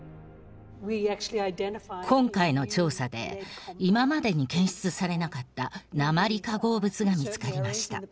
今回の調査で今までに検出されなかった鉛化合物が見つかりました。